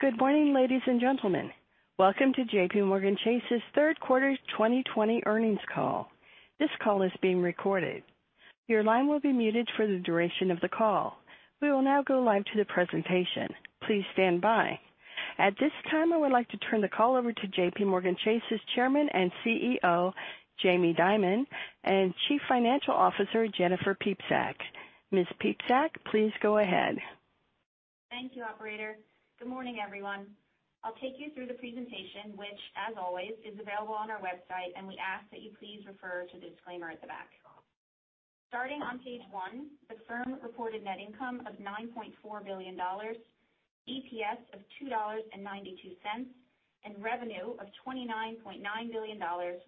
Good morning, ladies and gentlemen. Welcome to JPMorgan Chase's Third Quarter 2020 Earnings Call. This call is being recorded. Your line will be muted for the duration of the call. We will now go live to the presentation. Please stand by. At this time, I would like to turn the call over to JPMorgan Chase's Chairman and CEO, Jamie Dimon, and Chief Financial Officer, Jennifer Piepszak. Ms. Piepszak, please go ahead. Thank you, operator. Good morning, everyone. I'll take you through the presentation, which, as always, is available on our website, and we ask that you please refer to the disclaimer at the back. Starting on page one, the firm reported net income of $9.4 billion, EPS of $2.92, and revenue of $29.9 billion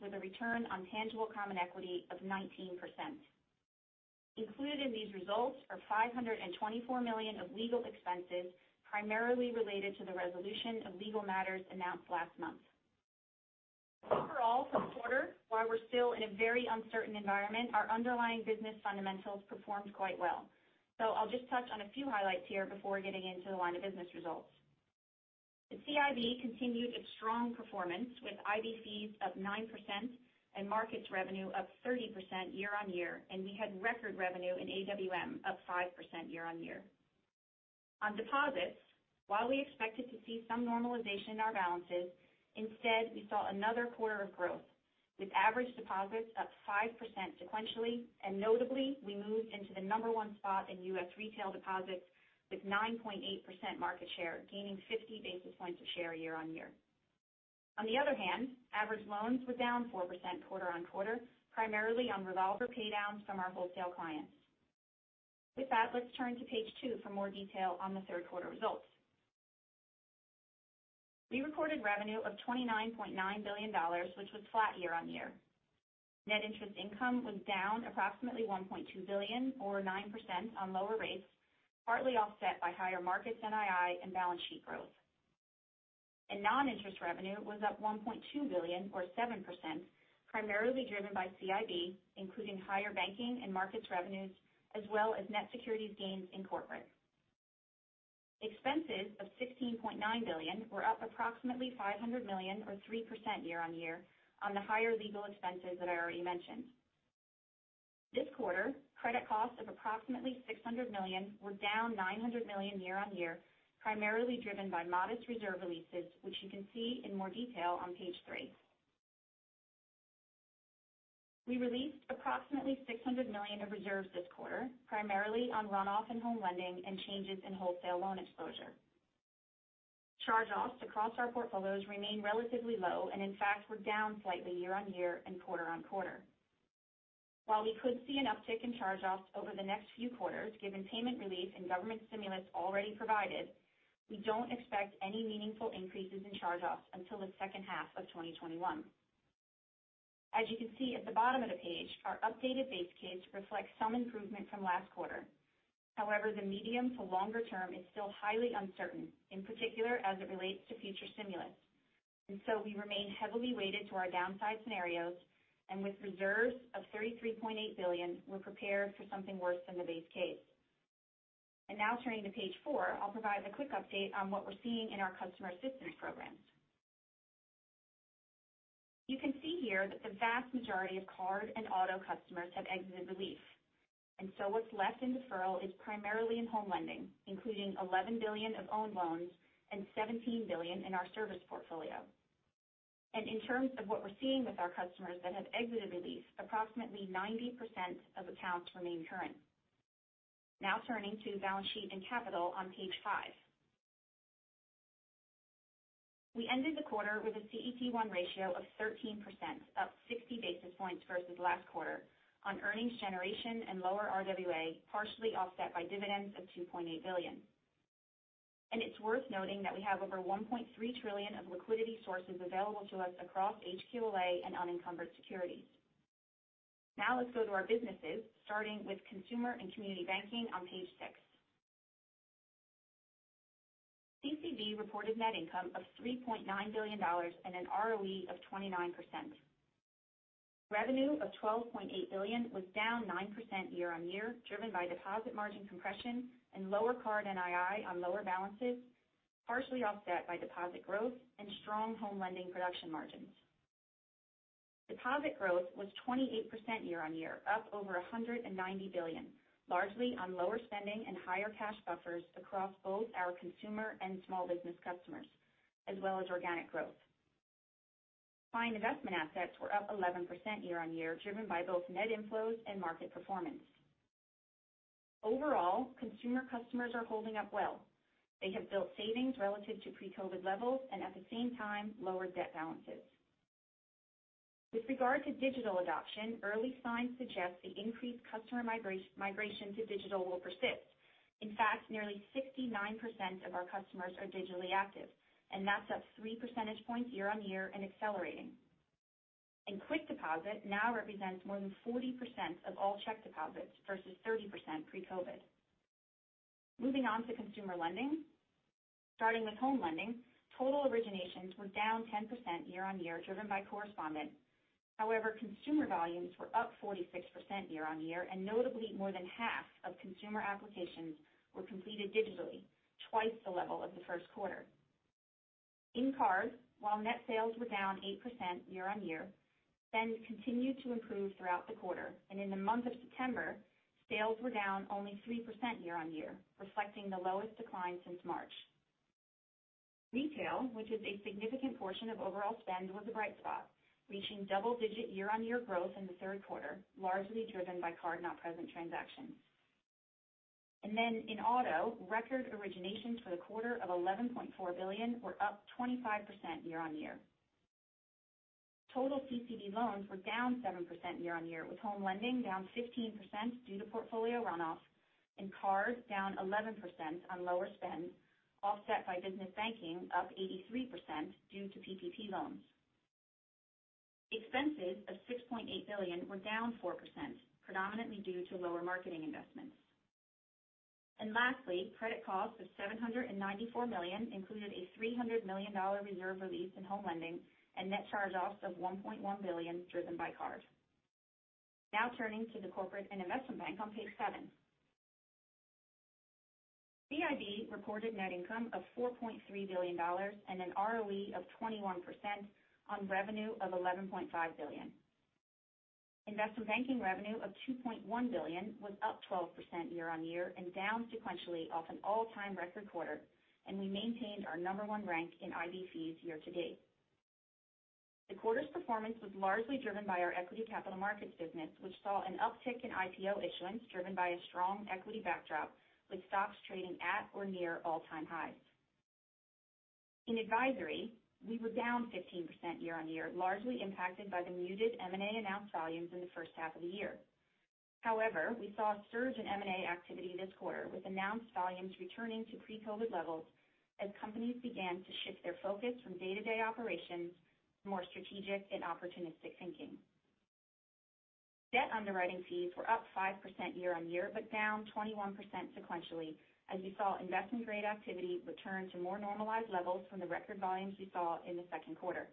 with a return on tangible common equity of 19%. Included in these results are $524 million of legal expenses, primarily related to the resolution of legal matters announced last month. Overall, for the quarter, while we're still in a very uncertain environment, our underlying business fundamentals performed quite well. I'll just touch on a few highlights here before getting into the line of business results. The CIB continued its strong performance, with IB fees up 9% and markets revenue up 30% year-on-year, and we had record revenue in AWM up 5% year-on-year. On deposits, while we expected to see some normalization in our balances, instead, we saw another quarter of growth, with average deposits up 5% sequentially, and notably, we moved into the number one spot in U.S. retail deposits with 9.8% market share, gaining 50 basis points of share year-on-year. On the other hand, average loans were down 4% quarter-on-quarter, primarily on revolver paydowns from our wholesale clients. With that, let's turn to page two for more detail on the third quarter results. We reported revenue of $29.9 billion, which was flat year-on-year. Net interest income was down approximately $1.2 billion, or 9%, on lower rates, partly offset by higher markets NII and balance sheet growth. Non-interest revenue was up $1.2 billion or 7%, primarily driven by CIB, including higher banking and markets revenues, as well as net securities gains in corporate. Expenses of $16.9 billion were up approximately $500 million or 3% year-on-year on the higher legal expenses that I already mentioned. This quarter, credit costs of approximately $600 million were down $900 million year-on-year, primarily driven by modest reserve releases, which you can see in more detail on page three. We released approximately $600 million of reserves this quarter, primarily on runoff in home lending and changes in wholesale loan exposure. Charge-offs across our portfolios remain relatively low and, in fact, were down slightly year-on-year and quarter-on-quarter. While we could see an uptick in charge-offs over the next few quarters, given payment relief and government stimulus already provided, we don't expect any meaningful increases in charge-offs until the second half of 2021. As you can see at the bottom of the page, our updated base case reflects some improvement from last quarter. However, the medium to longer term is still highly uncertain, in particular as it relates to future stimulus. We remain heavily weighted to our downside scenarios, and with reserves of $33.8 billion, we're prepared for something worse than the base case. Now turning to page four, I'll provide a quick update on what we're seeing in our customer assistance programs. You can see here that the vast majority of card and auto customers have exited relief. What's left in deferral is primarily in home lending, including $11 billion of owned loans and $17 billion in our serviced portfolio. In terms of what we're seeing with our customers that have exited relief, approximately 90% of accounts remain current. Now turning to balance sheet and capital on page five. We ended the quarter with a CET1 ratio of 13%, up 60 basis points versus last quarter on earnings generation and lower RWA, partially offset by dividends of $2.8 billion. It's worth noting that we have over $1.3 trillion of liquidity sources available to us across HQLA and unencumbered securities. Now let's go to our businesses, starting with Consumer and Community Banking on page six. CCB reported net income of $3.9 billion and an ROE of 29%. Revenue of $12.8 billion was down 9% year-on-year, driven by deposit margin compression and lower card NII on lower balances, partially offset by deposit growth and strong home lending production margins. Deposit growth was 28% year-on-year, up over $190 billion, largely on lower spending and higher cash buffers across both our consumer and small business customers, as well as organic growth. Client investment assets were up 11% year-on-year, driven by both net inflows and market performance. Overall, consumer customers are holding up well. They have built savings relative to pre-COVID levels and at the same time lowered debt balances. With regard to digital adoption, early signs suggest the increased customer migration to digital will persist. In fact, nearly 59% of our customers are digitally active, and that's up 3 percentage. That's up three percentage points year-on-year and accelerating. QuickDeposit now represents more than 40% of all check deposits versus 30% pre-COVID. Moving on to consumer lending. Starting with home lending, total originations were down 10% year-on-year, driven by correspondent. However, consumer volumes were up 46% year-on-year, and notably more than half of consumer applications were completed digitally, twice the level of the first quarter. In cards, while net sales were down 8% year-on-year, spend continued to improve throughout the quarter. In the month of September, sales were down only 3% year-on-year, reflecting the lowest decline since March. Retail, which is a significant portion of overall spend, was a bright spot, reaching double-digit year-on-year growth in the third quarter, largely driven by card-not-present transactions. In auto, record originations for the quarter of $11.4 billion were up 25% year-on-year. Total CCB loans were down 7% year-on-year, with home lending down 15% due to portfolio runoff and cards down 11% on lower spend, offset by business banking up 83% due to PPP loans. Expenses of $6.8 billion were down 4%, predominantly due to lower marketing investments. Lastly, credit costs of $794 million included a $300 million reserve release in home lending and net charge-offs of $1.1 billion, driven by card. Now turning to the Corporate and Investment Bank on page seven. CIB reported net income of $4.3 billion and an ROE of 21% on revenue of $11.5 billion. Investment banking revenue of $2.1 billion was up 12% year-on-year and down sequentially off an all-time record quarter, and we maintained our number one rank in IB fees year to date. The quarter's performance was largely driven by our equity capital markets business, which saw an uptick in IPO issuance driven by a strong equity backdrop with stocks trading at or near all-time highs. In advisory, we were down 15% year-on-year, largely impacted by the muted M&A announced volumes in the first half of the year. However, we saw a surge in M&A activity this quarter, with announced volumes returning to pre-COVID levels as companies began to shift their focus from day-to-day operations to more strategic and opportunistic thinking. Debt underwriting fees were up 5% year-on-year, but down 21% sequentially as we saw investment-grade activity return to more normalized levels from the record volumes we saw in the second quarter.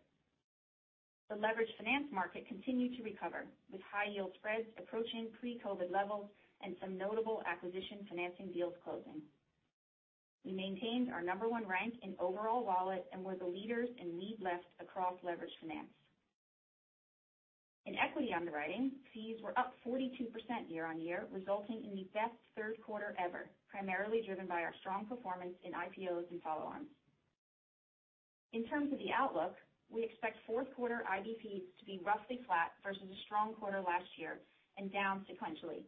The leveraged finance market continued to recover, with high yield spreads approaching pre-COVID levels and some notable acquisition financing deals closing. We maintained our number one rank in overall wallet and were the leaders in lead left across leveraged finance. In equity underwriting, fees were up 42% year-on-year, resulting in the best third quarter ever, primarily driven by our strong performance in IPOs and follow-ons. In terms of the outlook, we expect fourth quarter IB fees to be roughly flat versus a strong quarter last year and down sequentially.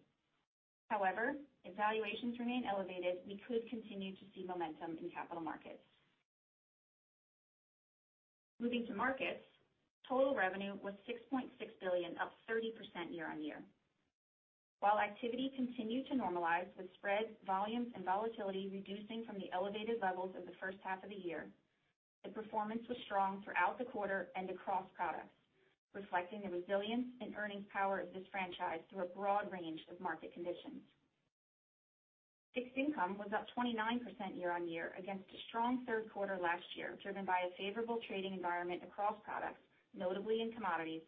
However, if valuations remain elevated, we could continue to see momentum in capital markets. Moving to markets. Total revenue was $6.6 billion, up 30% year-on-year. While activity continued to normalize with spreads, volumes, and volatility reducing from the elevated levels of the first half of the year, the performance was strong throughout the quarter and across products, reflecting the resilience and earnings power of this franchise through a broad range of market conditions. Fixed income was up 29% year-on-year against a strong third quarter last year, driven by a favorable trading environment across products, notably in commodities,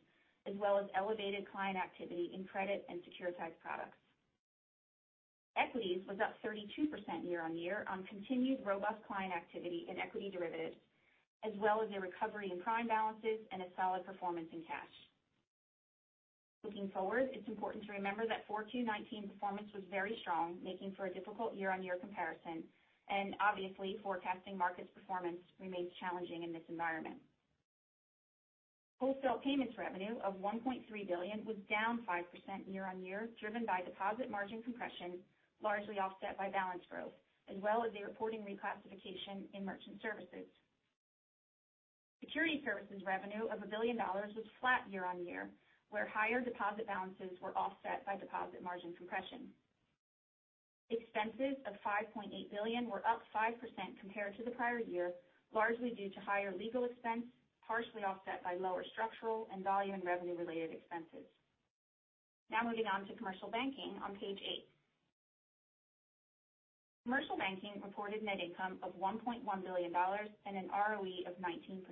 as well as elevated client activity in credit and securitized products. Equities was up 32% year-on-year on continued robust client activity in equity derivatives, as well as a recovery in prime balances and a solid performance in cash. Looking forward, it's important to remember that 4Q19 performance was very strong, making for a difficult year-on-year comparison, and obviously forecasting markets performance remains challenging in this environment. Wholesale payments revenue of $1.3 billion was down 5% year-on-year, driven by deposit margin compression largely offset by balance growth, as well as the reporting reclassification in merchant services. Security services revenue of $1 billion was flat year-on-year, where higher deposit balances were offset by deposit margin compression. Expenses of $5.8 billion were up 5% compared to the prior year, largely due to higher legal expense, partially offset by lower structural and volume revenue-related expenses. Now moving on to Commercial Banking on page eight. Commercial Banking reported net income of $1.1 billion and an ROE of 19%.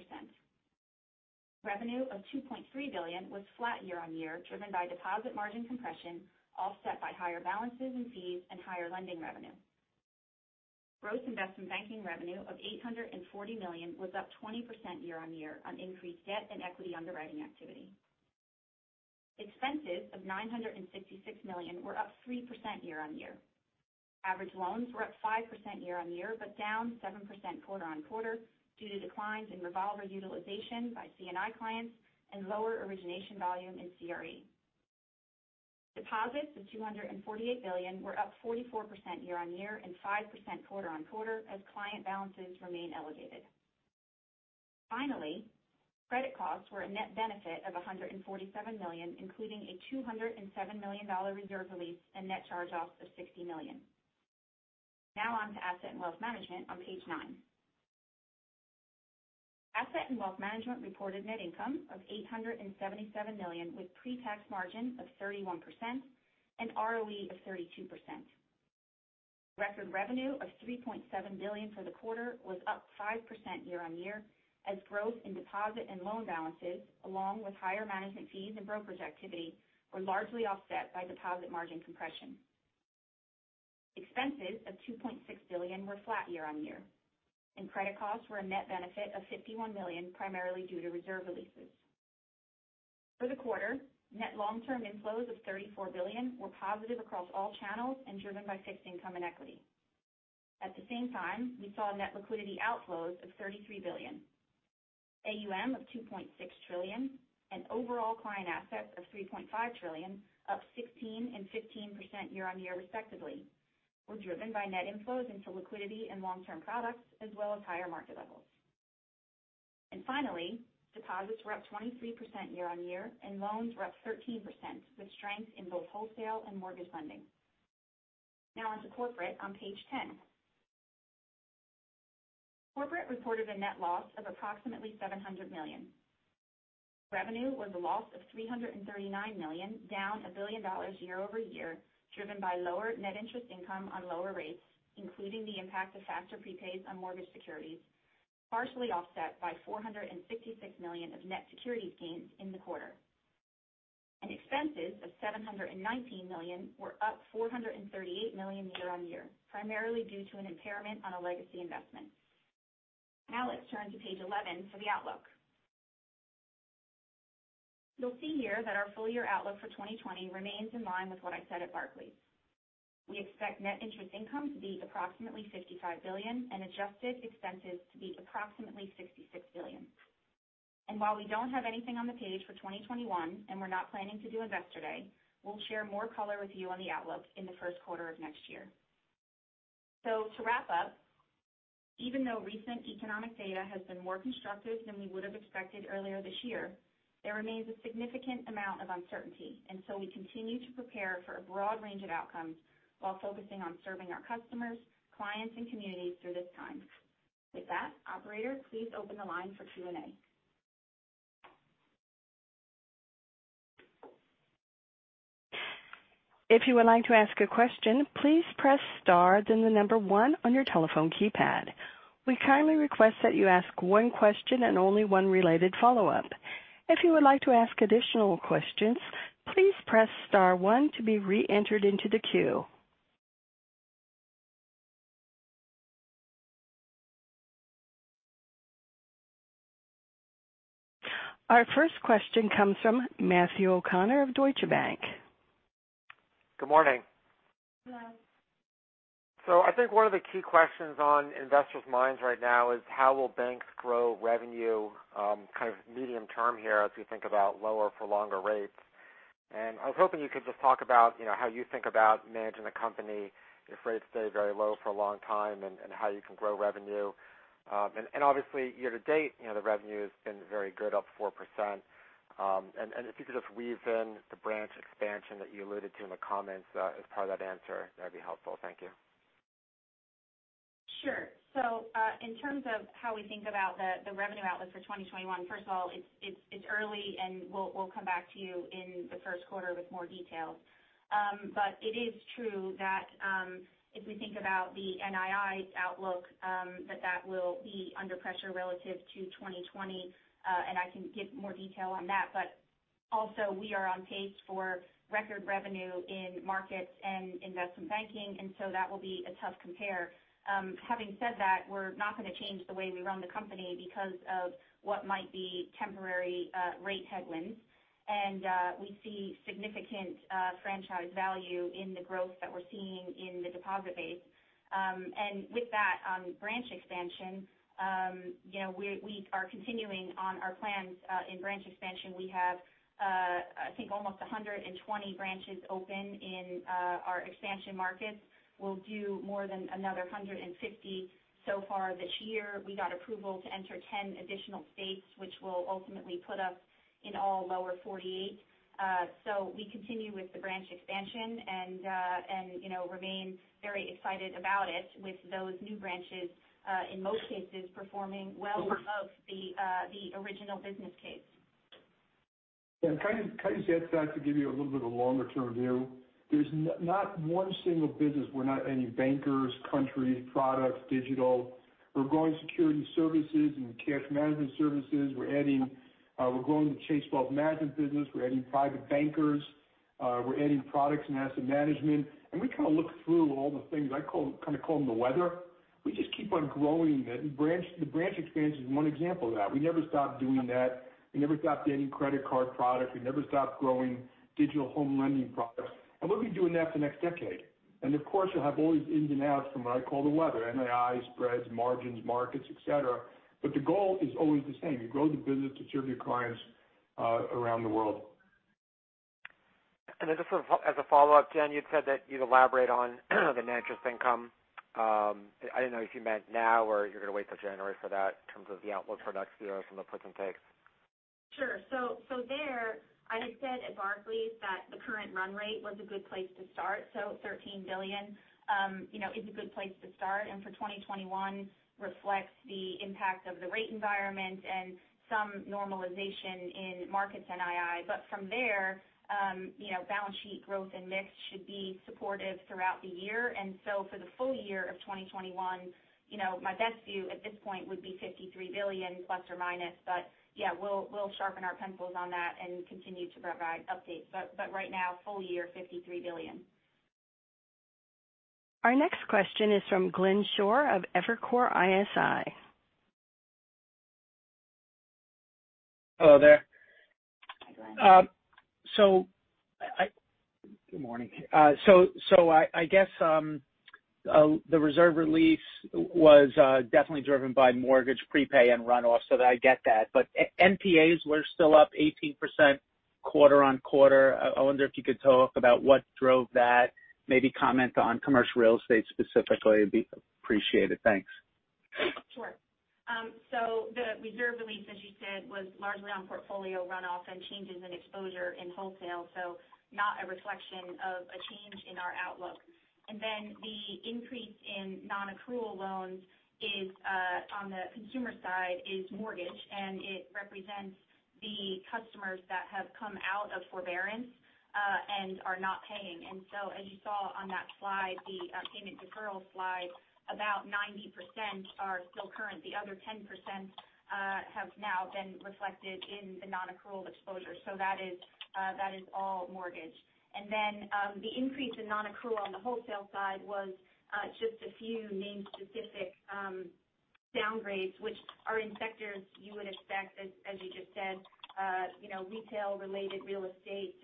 Revenue of $2.3 billion was flat year-on-year, driven by deposit margin compression offset by higher balances in fees and higher lending revenue. Gross investment banking revenue of $840 million was up 20% year-on-year on increased debt and equity underwriting activity. Expenses of $966 million were up 3% year-on-year. Average loans were up 5% year-on-year but down 7% quarter-on-quarter due to declines in revolver utilization by C&I clients and lower origination volume in CRE. Deposits of $248 billion were up 44% year-on-year and 5% quarter-on-quarter as client balances remain elevated. Credit costs were a net benefit of $147 million, including a $207 million reserve release and net charge-offs of $60 million. On to Asset and Wealth Management on page nine. Asset and wealth management reported net income of $877 million with pre-tax margin of 31% and ROE of 32%. Record revenue of $3.7 billion for the quarter was up 5% year-on-year, growth in deposit and loan balances, along with higher management fees and brokerage activity, were largely offset by deposit margin compression. Expenses of $2.6 billion were flat year-on-year, credit costs were a net benefit of $51 million, primarily due to reserve releases. For the quarter, net long-term inflows of $34 billion were positive across all channels and driven by fixed income and equity. At the same time, we saw net liquidity outflows of $33 billion. AUM of $2.6 trillion and overall client assets of $3.5 trillion, up 16% and 15% year-on-year respectively, were driven by net inflows into liquidity and long-term products, as well as higher market levels. Finally, deposits were up 23% year-on-year, and loans were up 13%, with strength in both wholesale and mortgage lending. Now on to Corporate on page 10. Corporate reported a net loss of approximately $700 million. Revenue was a loss of $339 million, down a billion dollars year-over-year, driven by lower net interest income on lower rates, including the impact of faster prepays on mortgage securities, partially offset by $466 million of net securities gains in the quarter. Expenses of $719 million were up $438 million year-on-year, primarily due to an impairment on a legacy investment. Now let's turn to page 11 for the outlook. You'll see here that our full-year outlook for 2020 remains in line with what I said at Barclays. We expect net interest income to be approximately $55 billion and adjusted expenses to be approximately $66 billion. While we don't have anything on the page for 2021, and we're not planning to do Investor Day, we'll share more color with you on the outlook in the first quarter of next year. To wrap up, even though recent economic data has been more constructive than we would have expected earlier this year, there remains a significant amount of uncertainty. We continue to prepare for a broad range of outcomes while focusing on serving our customers, clients, and communities through this time. With that, operator, please open the line for Q&A. If you would like to ask a question, please press star, then the number one on your telephone keypad. We kindly request that you ask one question and only one related follow-up. If you would like to ask additional questions, please press star one to be re-entered into the queue. Our first question comes from Matthew O'Connor of Deutsche Bank. Good morning. Hello. I think one of the key questions on investors' minds right now is how will banks grow revenue medium term here as we think about lower for longer rates. I was hoping you could just talk about how you think about managing the company if rates stay very low for a long time and how you can grow revenue. Obviously year to date, the revenue has been very good, up 4%. If you could just weave in the branch expansion that you alluded to in the comments as part of that answer, that'd be helpful. Thank you. Sure. In terms of how we think about the revenue outlook for 2021, first of all, it's early, and we'll come back to you in the first quarter with more details. It is true that if we think about the NII outlook, that that will be under pressure relative to 2020. I can give more detail on that. Also, we are on pace for record revenue in markets and investment banking, that will be a tough compare. Having said that, we're not going to change the way we run the company because of what might be temporary rate headwinds. We see significant franchise value in the growth that we're seeing in the deposit base. With that, on branch expansion, we are continuing on our plans in branch expansion. We have, I think, almost 120 branches open in our expansion markets. We'll do more than another 150 so far this year. We got approval to enter 10 additional states, which will ultimately put us in all lower 48. We continue with the branch expansion and remain very excited about it with those new branches, in most cases, performing well above the original business case. Kind of to add to that, to give you a little bit of a longer-term view. There's not one single business. We're not any bankers, countries, products, digital. We're growing security services and cash management services. We're growing the Chase Wealth Management business. We're adding private bankers. We're adding products and asset management. We kind of look through all the things. I kind of call them the weather. We just keep on growing them. The branch expansion is one example of that. We never stopped doing that. We never stopped adding credit card products. We never stopped growing digital home lending products. We'll be doing that for the next decade. Of course, you'll have all these ins and outs from what I call the weather, NII, spreads, margins, markets, et cetera. The goal is always the same. You grow the business to serve your clients around the world. Just as a follow-up, Jen, you'd said that you'd elaborate on the net interest income. I don't know if you meant now or you're going to wait till January for that in terms of the outlook for next year from the puts and takes? Sure. There, I had said at Barclays that the current run rate was a good place to start. $13 billion is a good place to start. For 2021 reflects the impact of the rate environment and some normalization in markets NII. From there, balance sheet growth and mix should be supportive throughout the year. For the full year of 2021, my best view at this point would be $53 billion plus or minus. Yeah, we'll sharpen our pencils on that and continue to provide updates. Right now, full year, $53 billion. Our next question is from Glenn Schorr of Evercore ISI. Hello there. Hi, Glenn. Good morning. I guess the reserve release was definitely driven by mortgage prepay and runoff so that I get that. NPAs were still up 18% quarter-on-quarter. I wonder if you could talk about what drove that, maybe comment on commercial real estate specifically, it'd be appreciated. Thanks. Sure. The reserve release, as you said, was largely on portfolio runoff and changes in exposure in wholesale. Not a reflection of a change in our outlook. The increase in non-accrual loans on the consumer side is mortgage, and it represents the customers that have come out of forbearance and are not paying. As you saw on that slide, the payment deferral slide, about 90% are still current. The other 10% have now been reflected in the non-accrual exposure. That is all mortgage. The increase in non-accrual on the wholesale side was just a few name-specific downgrades, which are in sectors you would expect, as you just said retail-related real estate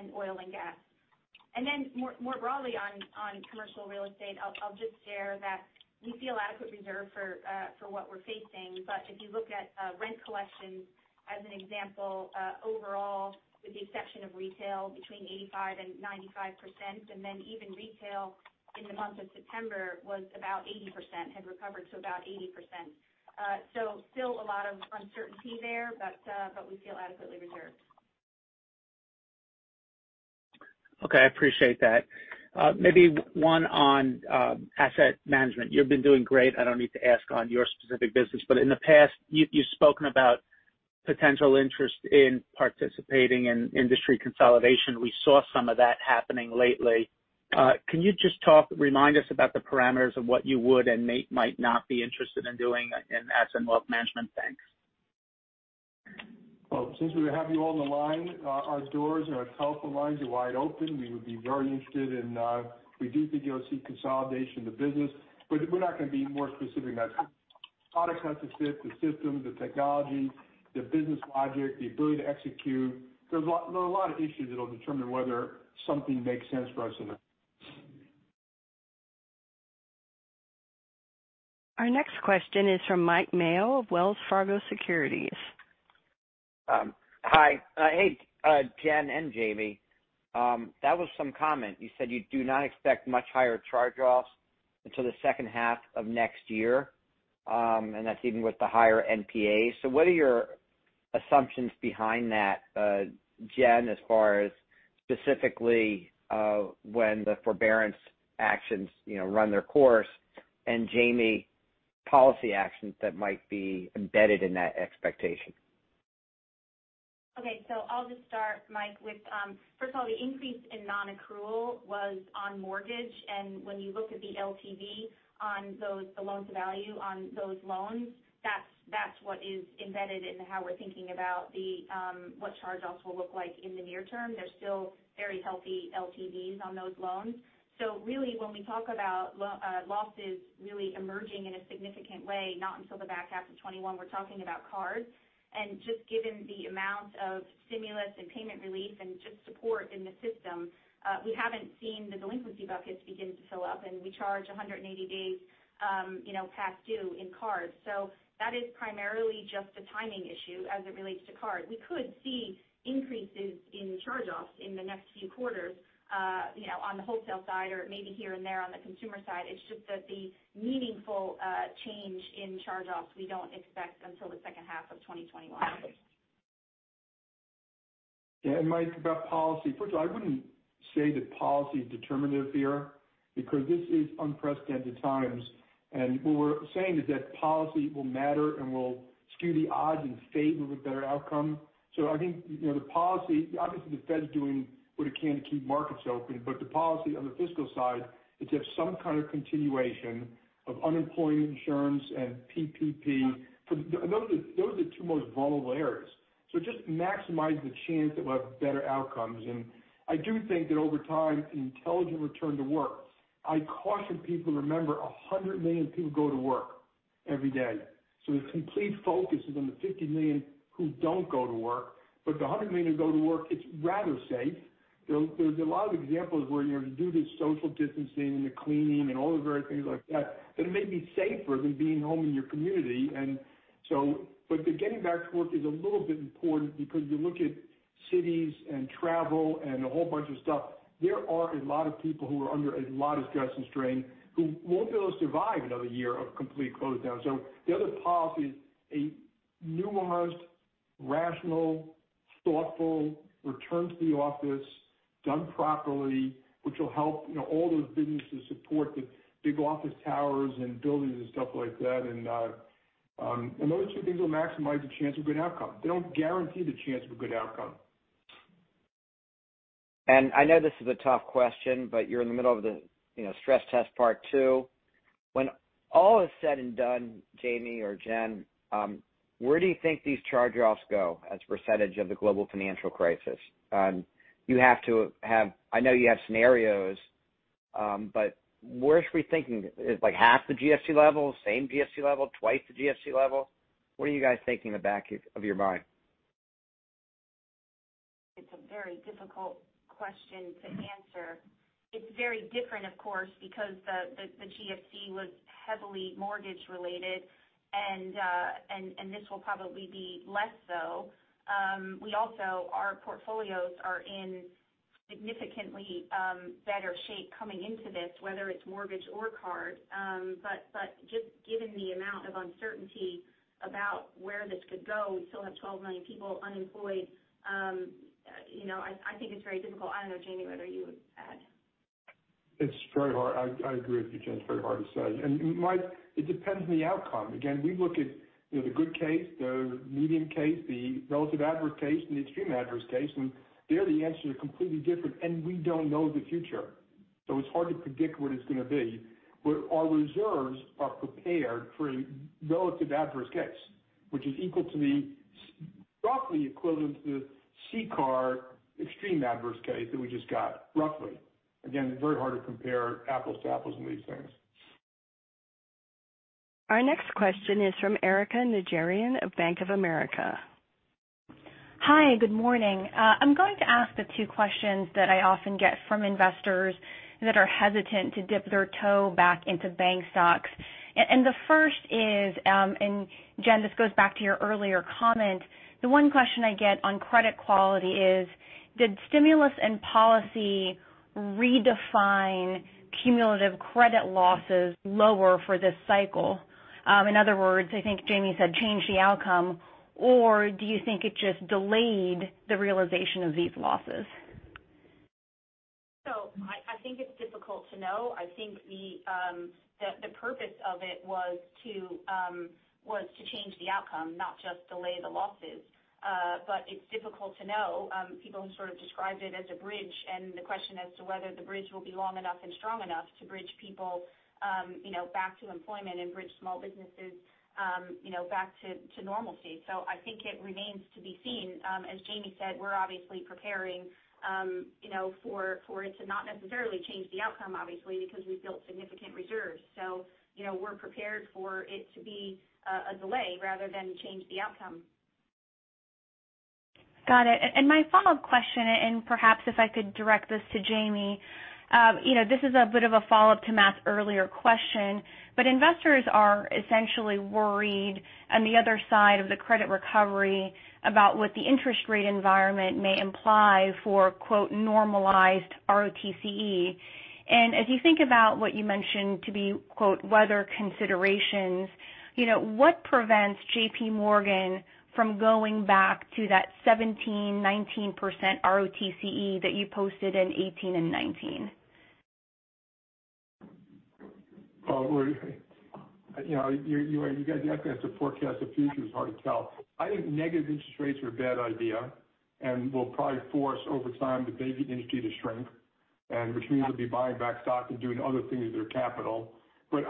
and oil and gas. More broadly on commercial real estate, I'll just share that we feel adequate reserve for what we're facing. If you look at rent collection as an example, overall with the exception of retail between 85% and 95%, and then even retail in the month of September was about 80%, had recovered to about 80%. Still a lot of uncertainty there, but we feel adequately reserved. Okay. I appreciate that. Maybe one on asset management. You've been doing great, I don't need to ask on your specific business, but in the past, you've spoken about potential interest in participating in industry consolidation. We saw some of that happening lately. Can you just remind us about the parameters of what you would and might not be interested in doing in asset and wealth management? Thanks. Well, since we have you on the line, our doors and our telephone lines are wide open. We would be very interested. We do think you'll see consolidation of the business, we're not going to be more specific than that. The product has to fit, the system, the technology, the business logic, the ability to execute. There's a lot of issues that'll determine whether something makes sense for us or not. Our next question is from Mike Mayo of Wells Fargo Securities. Hi. Hey Jen and Jamie. That was some comment. You said you do not expect much higher charge-offs until the second half of next year, and that's even with the higher NPAs. What are your assumptions behind that, Jen, as far as specifically when the forbearance actions run their course, and Jamie policy actions that might be embedded in that expectation? I'll just start Mike with, first of all, the increase in non-accrual was on mortgage. When you look at the LTV on those, the loan to value on those loans, that's what is embedded in how we're thinking about what charge-offs will look like in the near term. They're still very healthy LTVs on those loans. Really when we talk about losses really emerging in a significant way, not until the back half of 2021, we're talking about cards. Just given the amount of stimulus and payment relief and just support in the system, we haven't seen the delinquency buckets begin to fill up, and we charge 180 days past due in cards. That is primarily just a timing issue as it relates to card. We could see increases in charge-offs in the next few quarters on the wholesale side or maybe here and there on the consumer side. It's just that the meaningful change in charge-offs we don't expect until the second half of 2021. Yeah. Mike, about policy. First of all, I wouldn't say that policy is determinative here because this is unprecedented times. What we're saying is that policy will matter and will skew the odds in favor of a better outcome. I think the policy, obviously the Fed's doing what it can to keep markets open, but the policy on the fiscal side is if some kind of continuation of unemployment insurance and PPP. Those are the two most vulnerable areas. Just maximize the chance that we'll have better outcomes. I do think that over time, the intelligent return to work. I caution people to remember 100 million people go to work every day. The complete focus is on the 50 million who don't go to work. The 100 million who go to work, it's rather safe. There's a lot of examples where you do the social distancing and the cleaning and all the various things like that it may be safer than being home in your community. The getting back to work is a little bit important because you look at cities and travel and a whole bunch of stuff. There are a lot of people who are under a lot of stress and strain who won't be able to survive another year of complete close down. The other path is a nuanced, rational, thoughtful return to the office done properly, which will help all those businesses support the big office towers and buildings and stuff like that. Those two things will maximize the chance of a good outcome. They don't guarantee the chance of a good outcome. I know this is a tough question, but you're in the middle of the stress test part two. When all is said and done, Jamie or Jen, where do you think these charge-offs go as a percentage of the global financial crisis? I know you have scenarios, but where should we thinking? Like half the GFC level, same GFC level, twice the GFC level? What are you guys thinking in the back of your mind? It's a very difficult question to answer. It's very different, of course, because the GFC was heavily mortgage-related and this will probably be less so. Our portfolios are in significantly better shape coming into this, whether it's mortgage or card. Just given the amount of uncertainty about where this could go, we still have 12 million people unemployed. I think it's very difficult. I don't know, Jamie, whether you would add. It's very hard. I agree with you, Jen. It's very hard to say. It depends on the outcome. Again, we look at the good case, the medium case, the relative adverse case, and the extreme adverse case, and there the answers are completely different, and we don't know the future, so it's hard to predict what it's going to be. Our reserves are prepared for a relative adverse case, which is roughly equivalent to the CCAR extreme adverse case that we just got, roughly. Again, very hard to compare apples to apples in these things. Our next question is from Erika Najarian of Bank of America. Hi, good morning. I'm going to ask the two questions that I often get from investors that are hesitant to dip their toe back into bank stocks. The first is, Jen, this goes back to your earlier comment, the one question I get on credit quality is, did stimulus and policy redefine cumulative credit losses lower for this cycle? In other words, I think Jamie said, change the outcome, or do you think it just delayed the realization of these losses? I think it's difficult to know. I think the purpose of it was to change the outcome, not just delay the losses. It's difficult to know. People have sort of described it as a bridge, and the question as to whether the bridge will be long enough and strong enough to bridge people back to employment and bridge small businesses back to normalcy. I think it remains to be seen. As Jamie said, we're obviously preparing for it to not necessarily change the outcome, obviously, because we've built significant reserves. We're prepared for it to be a delay rather than change the outcome. Got it. My follow-up question, and perhaps if I could direct this to Jamie. This is a bit of a follow-up to Matt's earlier question. Investors are essentially worried on the other side of the credit recovery about what the interest rate environment may imply for, quote, "normalized ROTCE." As you think about what you mentioned to be, quote, "weather considerations," what prevents JPMorgan Chase from going back to that 17%, 19% ROTCE that you posted in 2018 and 2019? You guys are going to have to forecast the future. It's hard to tell. I think negative interest rates are a bad idea and will probably force, over time, the banking industry to shrink. Which means they'll be buying back stock and doing other things with their capital. We're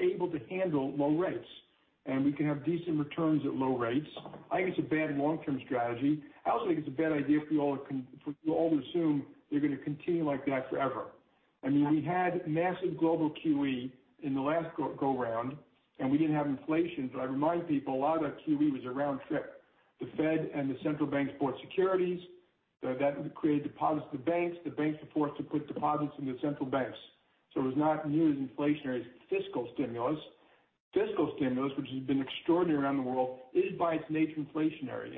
able to handle low rates, and we can have decent returns at low rates. I think it's a bad long-term strategy. I also think it's a bad idea for you all to assume they're going to continue like that forever. We had massive global QE in the last go-round, and we didn't have inflation. I remind people, a lot of that QE was a round trip. The Fed and the central bank bought securities. That created deposits at the banks. The banks are forced to put deposits into the central banks. It was not nearly as inflationary as fiscal stimulus. Fiscal stimulus, which has been extraordinary around the world, is by its nature inflationary.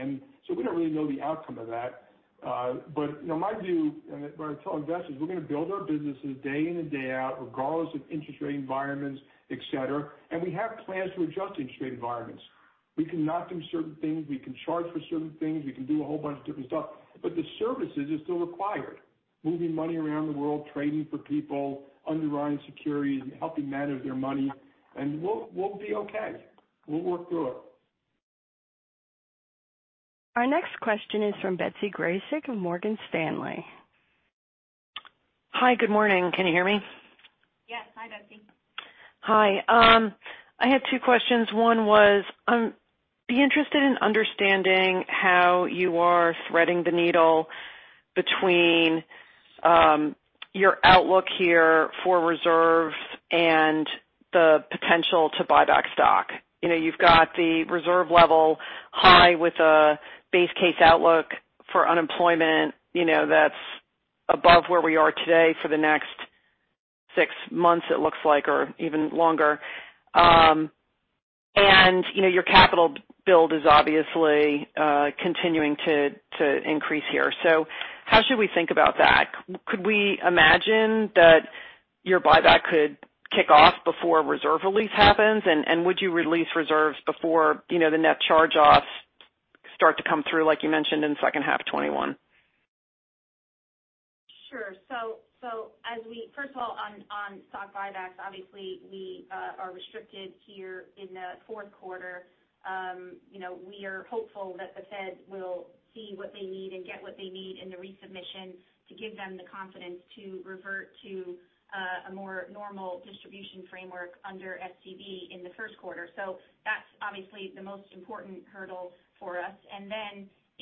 We don't really know the outcome of that. My view, and what I tell investors, we're going to build our businesses day in and day out, regardless of interest rate environments, et cetera. We have plans to adjust interest rate environments. We cannot do certain things. We can charge for certain things. We can do a whole bunch of different stuff. The services are still required. Moving money around the world, trading for people, underwriting securities, and helping manage their money, and we'll be okay. We'll work through it. Our next question is from Betsy Graseck of Morgan Stanley. Hi. Good morning. Can you hear me? Yes. Hi, Betsy. Hi. I have two questions. One was, I'd be interested in understanding how you are threading the needle between your outlook here for reserves and the potential to buy back stock. You've got the reserve level high with a base case outlook for unemployment that's above where we are today for the next six months it looks like, or even longer. Your capital build is obviously continuing to increase here. How should we think about that? Could we imagine that your buyback could kick off before reserve release happens, and would you release reserves before the net charge offs start to come through like you mentioned in second half 2021? Sure. First of all, on stock buybacks, obviously we are restricted here in the fourth quarter. We are hopeful that the Fed will see what they need and get what they need in the resubmission to give them the confidence to revert to a more normal distribution framework under SCB in the first quarter. That's obviously the most important hurdle for us.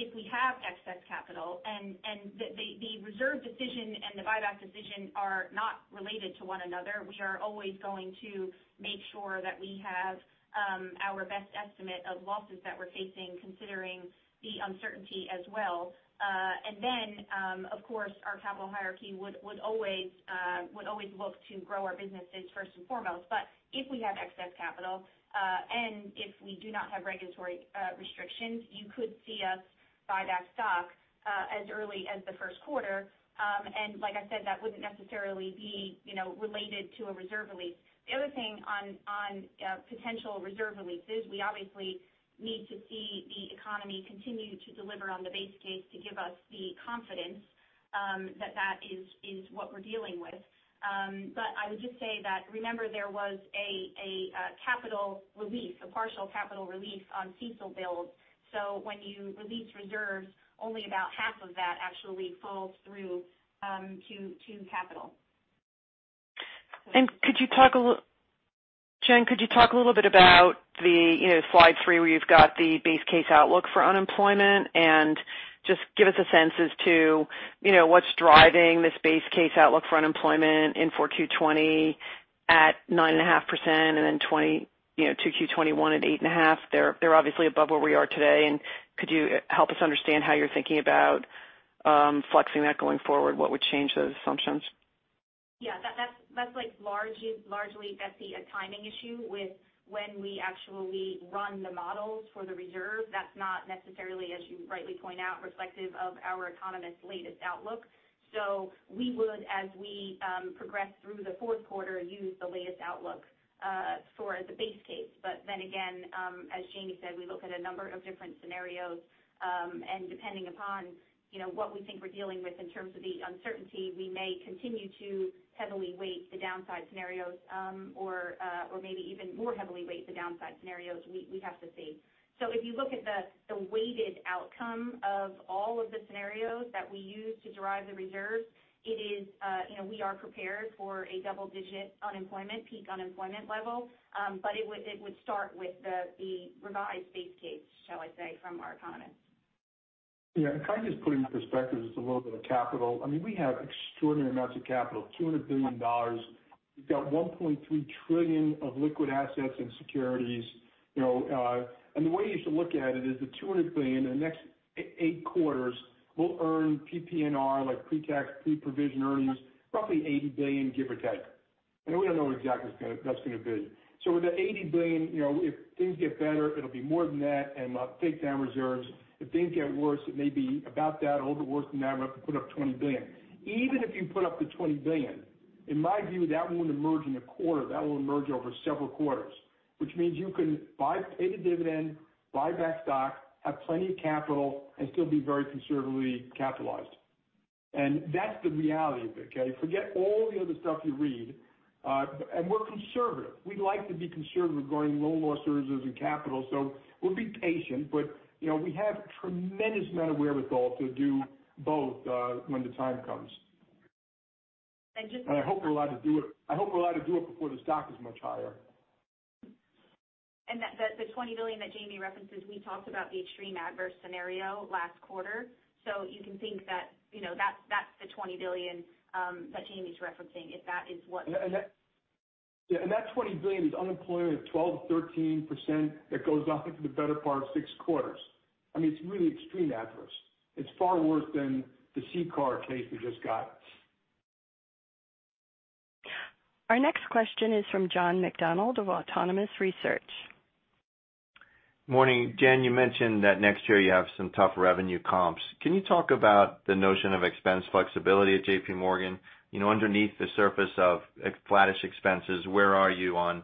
If we have excess capital, and the reserve decision and the buyback decision are not related to one another. We are always going to make sure that we have our best estimate of losses that we're facing considering the uncertainty as well. Of course, our capital hierarchy would always look to grow our businesses first and foremost. If we have excess capital, and if we do not have regulatory restrictions, you could see us buy back stock as early as the first quarter. Like I said, that wouldn't necessarily be related to a reserve release. The other thing on potential reserve releases, we obviously need to see the economy continue to deliver on the base case to give us the confidence that that is what we're dealing with. I would just say that, remember there was a capital release, a partial capital release on CECL builds. When you release reserves, only about half of that actually falls through to capital. Jen, could you talk a little bit about slide three, where you've got the base case outlook for unemployment and just give us a sense as to what's driving this base case outlook for unemployment in 4Q 2020 at 9.5% and then 2Q 2021 at 8.5%. They're obviously above where we are today, and could you help us understand how you're thinking about flexing that going forward? What would change those assumptions? That's largely a timing issue with when we actually run the models for the reserve. That's not necessarily, as you rightly point out, reflective of our economist's latest outlook. We would, as we progress through the fourth quarter, use the latest outlook for the base case. Again, as Jamie said, we look at a number of different scenarios, and depending upon what we think we're dealing with in terms of the uncertainty, we may continue to heavily weight the downside scenarios, or maybe even more heavily weight the downside scenarios. We have to see. If you look at the weighted outcome of all of the scenarios that we use to derive the reserve, we are prepared for a double-digit unemployment peak unemployment level. It would start with the revised base case, shall I say, from our economists. Yeah. Can I just put into perspective just a little bit of capital. We have extraordinary amounts of capital, $200 billion. We've got $1.3 trillion of liquid assets and securities. The way you should look at it is the $200 billion in the next eight quarters will earn PPNR, like pre-tax, pre-provision earnings, roughly $80 billion, give or take. We don't know what exactly that's going to be. With the $80 billion, if things get better, it'll be more than that, and we'll take down reserves. If things get worse, it may be about that, a little bit worse than that. We'll have to put up $20 billion. Even if you put up the $20 billion, in my view, that won't emerge in a quarter. That will emerge over several quarters. Which means you can pay the dividend, buy back stock, have plenty of capital, and still be very conservatively capitalized. That's the reality of it, okay. Forget all the other stuff you read. We're conservative. We like to be conservative regarding loan losses and capital. We'll be patient, but we have a tremendous amount of wherewithal to do both when the time comes. And just- I hope we're allowed to do it before the stock is much higher. The $20 billion that Jamie references, we talked about the extreme adverse scenario last quarter. You can think that's the $20 billion that Jamie's referencing. Yeah, that $20 billion is unemployment of 12%-13% that goes on for the better part of six quarters. It's really extreme adverse. It's far worse than the CCAR case we just got. Our next question is from John McDonald of Autonomous Research. Morning. Jen, you mentioned that next year you have some tough revenue comps. Can you talk about the notion of expense flexibility at JPMorgan? Underneath the surface of flattish expenses, where are you on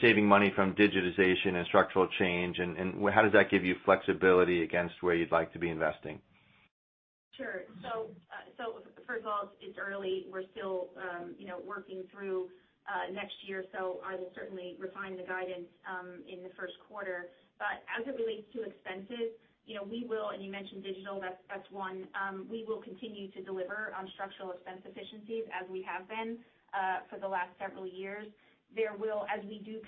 saving money from digitization and structural change, and how does that give you flexibility against where you'd like to be investing? Sure. First of all, it's early. We're still working through next year, I will certainly refine the guidance in the first quarter. As it relates to expenses, and you mentioned digital, that's one. We will continue to deliver on structural expense efficiencies as we have been for the last several years. As we do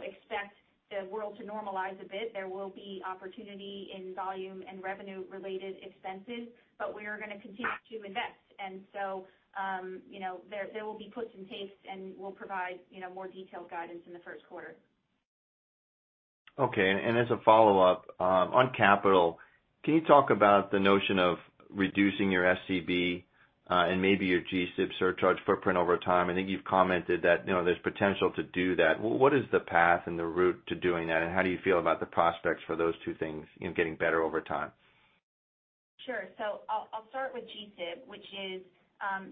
expect the world to normalize a bit, there will be opportunity in volume and revenue-related expenses, we are going to continue to invest. There will be puts and takes, and we'll provide more detailed guidance in the first quarter. Okay. As a follow-up, on capital, can you talk about the notion of reducing your SCB and maybe your G-SIB surcharge footprint over time? I think you've commented that there's potential to do that. What is the path and the route to doing that, and how do you feel about the prospects for those two things in getting better over time? Sure. I'll start with G-SIB, which is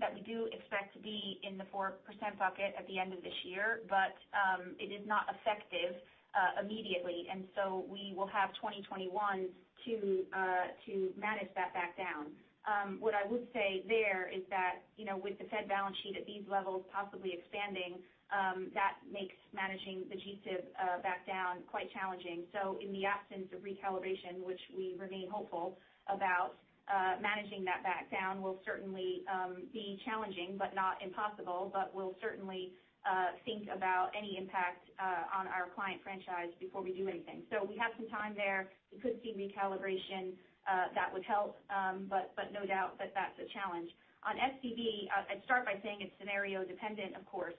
that we do expect to be in the 4% bucket at the end of this year, but it is not effective immediately. We will have 2021 to manage that back down. What I would say there is that with the Fed balance sheet at these levels possibly expanding, that makes managing the G-SIB back down quite challenging. In the absence of recalibration, which we remain hopeful about, managing that back down will certainly be challenging but not impossible. We'll certainly think about any impact on our client franchise before we do anything. We have some time there. We could see recalibration. That would help. No doubt that's a challenge. On SCB, I'd start by saying it's scenario dependent, of course.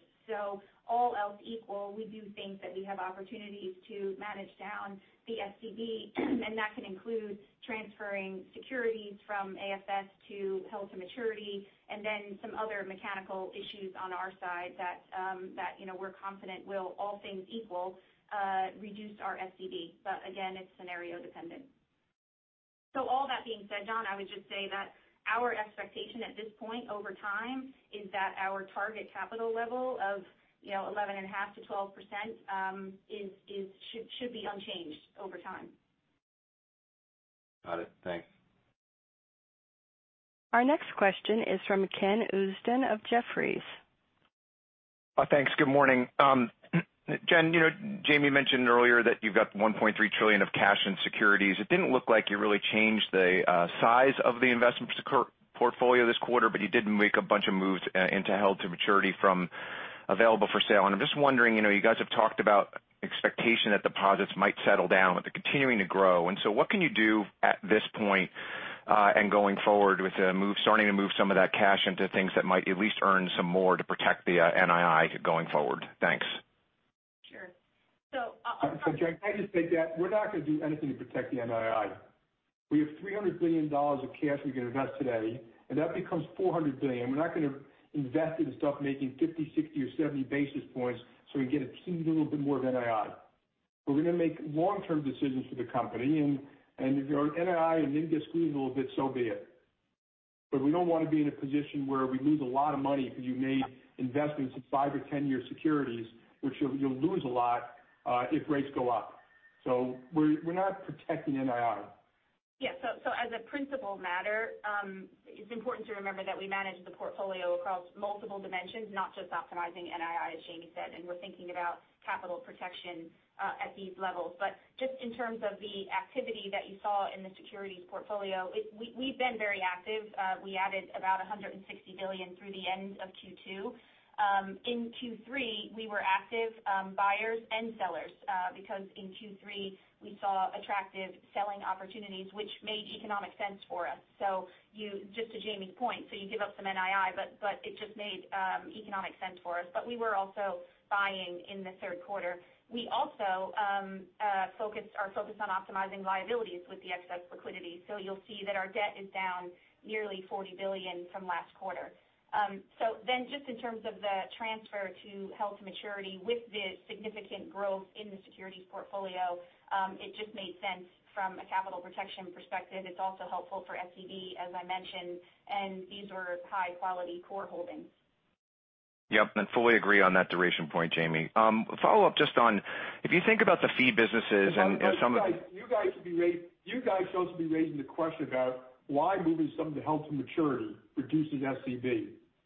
All else equal, we do think that we have opportunities to manage down the SCB, and that can include transferring securities from AFS to held to maturity, and then some other mechanical issues on our side that we're confident will, all things equal, reduce our SCB. Again, it's scenario dependent. All that being said, John, I would just say that our expectation at this point over time is that our target capital level of 11.5%-12% should be unchanged over time. Got it. Thanks. Our next question is from Ken Usdin of Jefferies. Thanks. Good morning. Jen, Jamie mentioned earlier that you've got $1.3 trillion of cash and securities. It didn't look like you really changed the size of the investment per portfolio this quarter, but you did make a bunch of moves into held to maturity from available for sale. I'm just wondering, you guys have talked about expectation that deposits might settle down, but they're continuing to grow. What can you do at this point and going forward with starting to move some of that cash into things that might at least earn some more to protect the NII going forward? Thanks. Sure. Ken, can I just take that? We're not going to do anything to protect the NII. We have $300 billion of cash we can invest today, and that becomes $400 billion. We're not going to invest it and start making 50, 60, or 70 basis points so we get a teeny little bit more of NII. We're going to make long-term decisions for the company, and if our NII and then gets squeezed a little bit, so be it. We don't want to be in a position where we lose a lot of money because you made investments of five or 10-year securities, which you'll lose a lot if rates go up. We're not protecting NII. Yeah. As a principle matter, it's important to remember that we manage the portfolio across multiple dimensions, not just optimizing NII, as Jamie said, and we're thinking about capital protection at these levels. Just in terms of the activity that you saw in the securities portfolio, we've been very active. We added about $160 billion through the end of Q2. In Q3, we were active buyers and sellers because in Q3 we saw attractive selling opportunities which made economic sense for us. Just to Jamie's point, so you give up some NII, but it just made economic sense for us. We were also buying in the third quarter. We also are focused on optimizing liabilities with the excess liquidity. You'll see that our debt is down nearly $40 billion from last quarter. Just in terms of the transfer to held to maturity with the significant growth in the securities portfolio, it just made sense from a capital protection perspective. It's also helpful for SCB, as I mentioned, and these were high-quality core holdings. Yep, fully agree on that duration point, Jamie. A follow-up just on if you think about the fee businesses and some You guys supposed to be raising the question about why moving some to held to maturity reduces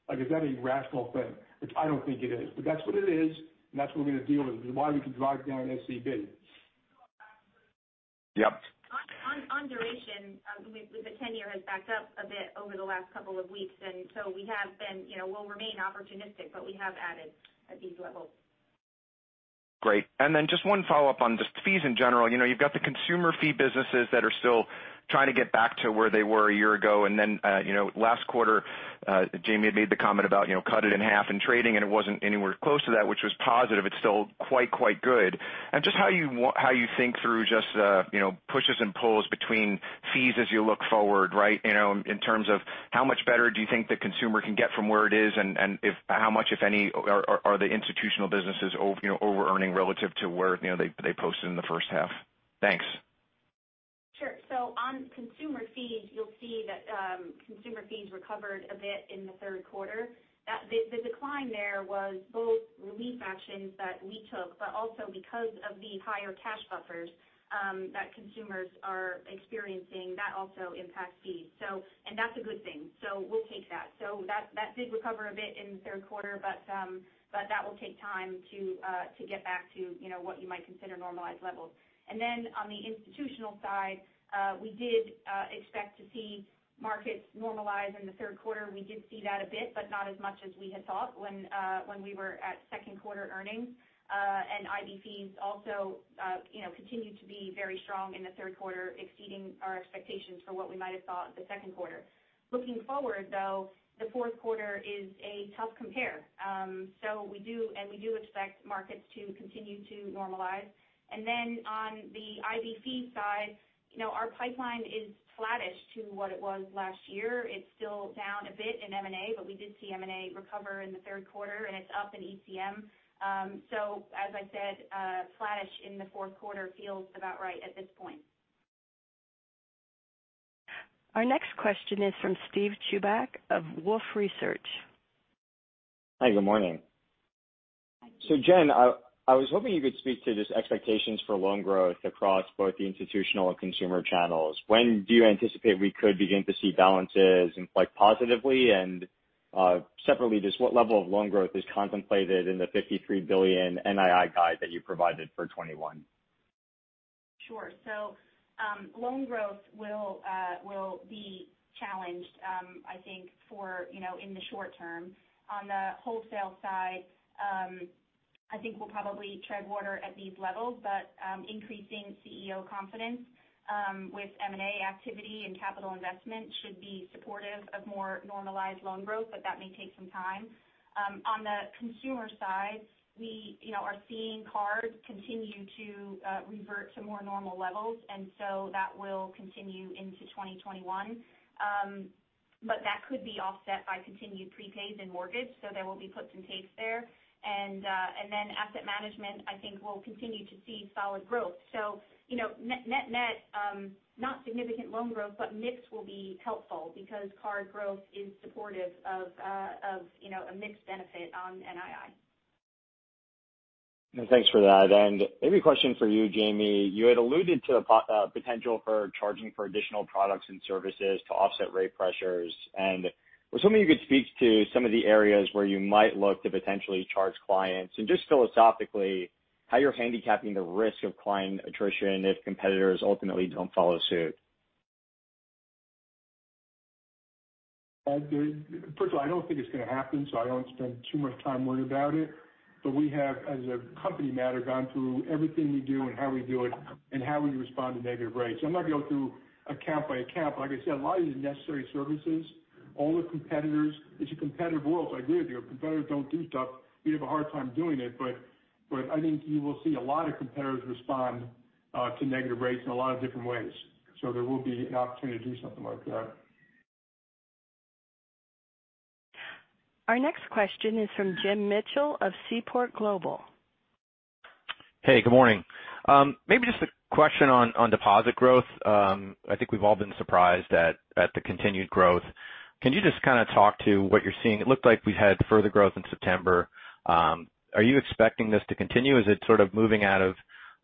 SCB. Is that a rational thing? Which I don't think it is, but that's what it is, and that's what we're going to deal with and why we can drive down SCB. Yep. On duration, the tenor has backed up a bit over the last couple of weeks, and so we'll remain opportunistic, but we have added at these levels. Great. Just one follow-up on just fees in general. You've got the consumer fee businesses that are still trying to get back to where they were a year ago. Last quarter Jamie had made the comment about cut it in half in trading, and it wasn't anywhere close to that, which was positive. It's still quite good. Just how you think through just the pushes and pulls between fees as you look forward, right? In terms of how much better do you think the consumer can get from where it is, and how much, if any, are the institutional businesses overearning relative to where they posted in the first half? Thanks. Sure. On consumer fees, you'll see that consumer fees recovered a bit in the third quarter. The decline there was both relief actions that we took, but also because of the higher cash buffers that consumers are experiencing. That also impacts fees. That's a good thing. We'll take that. That did recover a bit in the third quarter, But that will take time to get back to what you might consider normalized levels. On the institutional side, we did expect to see markets normalize in the third quarter. We did see that a bit, but not as much as we had thought when we were at second quarter earnings. IB fees also continued to be very strong in the third quarter, exceeding our expectations for what we might have thought the second quarter. Looking forward, though, the fourth quarter is a tough compare. We do expect markets to continue to normalize. On the IB fee side, our pipeline is flattish to what it was last year. It's still down a bit in M&A, but we did see M&A recover in the third quarter, and it's up in ECM. As I said, flattish in the fourth quarter feels about right at this point. Our next question is from Steve Chubak of Wolfe Research. Hi, good morning. Hi. Jen, I was hoping you could speak to just expectations for loan growth across both the institutional and consumer channels. When do you anticipate we could begin to see balances inflect positively? Separately, just what level of loan growth is contemplated in the $53 billion NII guide that you provided for 2021? Sure. Loan growth will be challenged I think in the short term. On the wholesale side, I think we'll probably tread water at these levels, but increasing CEO confidence with M&A activity and capital investment should be supportive of more normalized loan growth, but that may take some time. On the consumer side, we are seeing cards continue to revert to more normal levels, that will continue into 2021. That could be offset by continued prepays in mortgage. There will be puts and takes there. Asset management, I think, will continue to see solid growth. Net-net, not significant loan growth, but mix will be helpful because card growth is supportive of a mix benefit on NII. No, thanks for that. Maybe a question for you, Jamie. You had alluded to the potential for charging for additional products and services to offset rate pressures, and I was hoping you could speak to some of the areas where you might look to potentially charge clients. Just philosophically, how you're handicapping the risk of client attrition if competitors ultimately don't follow suit. First of all, I don't think it's going to happen, so I don't spend too much time worrying about it. We have, as a company matter, gone through everything we do and how we do it and how we respond to negative rates. I'm not going to go through account by account, but like I said, a lot of these are necessary services. All the competitors. It's a competitive world, so I agree with you. If competitors don't do stuff, we'd have a hard time doing it. I think you will see a lot of competitors respond to negative rates in a lot of different ways. There will be an opportunity to do something like that. Our next question is from Jim Mitchell of Seaport Global. Hey, good morning. Maybe just a question on deposit growth. I think we've all been surprised at the continued growth. Can you just kind of talk to what you're seeing? It looked like we had further growth in September. Are you expecting this to continue? Is it sort of moving out of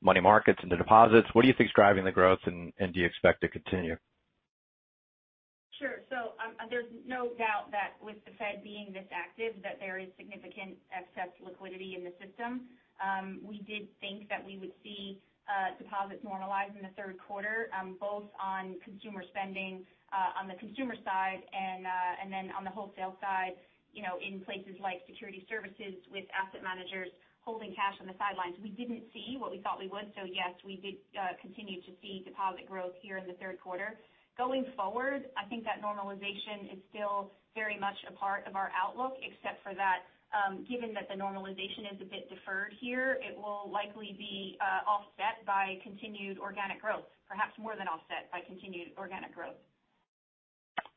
money markets into deposits? What do you think is driving the growth, and do you expect to continue? Sure. There's no doubt that with the Fed being this active, that there is significant excess liquidity in the system. We did think that we would see deposits normalize in the third quarter both on consumer spending on the consumer side and then on the wholesale side in places like security services with asset managers holding cash on the sidelines. We didn't see what we thought we would. Yes, we did continue to see deposit growth here in the third quarter. Going forward, I think that normalization is still very much a part of our outlook, except for that given that the normalization is a bit deferred here, it will likely be offset by continued organic growth. Perhaps more than offset by continued organic growth.